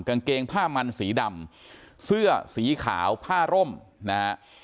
กางเกงผ้ามันสีดำเสื้อสีขาวผ้าร่มนะฮะ